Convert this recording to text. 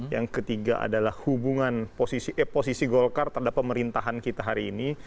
kondisi ke tiga adalah hubungan posisi golkar terhadap pemerintahan kita hari ini